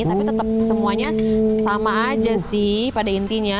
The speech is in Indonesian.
tapi tetap semuanya sama aja sih pada intinya